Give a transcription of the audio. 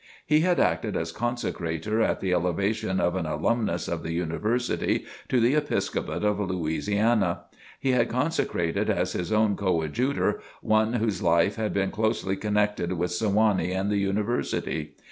He had acted as consecrator at the elevation of an alumnus of the University to the Episcopate of Louisiana[A]. He had consecrated as his own coadjutor one whose life had been closely connected with Sewanee and the University.